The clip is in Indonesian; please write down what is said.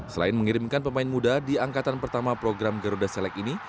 selain mengirimkan pemain muda di angkatan pertama program garuda select ini